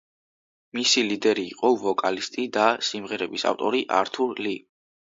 მისი ლიდერი იყო ვოკალისტი და სიმღერების ავტორი ართურ ლი.